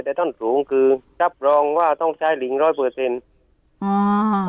แต่ท่อนสูงคือรับรองว่าต้องใช้ลิงร้อยเปอร์เซ็นต์อ่า